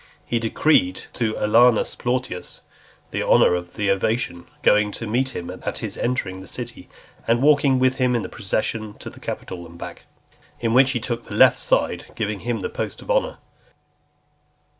He decreed to Aulus Plautius the honour of an ovation , going to meet him at his entering the city, and walking with him in the procession to the Capitol, and back, in which he took the left side, giving him the post of honour.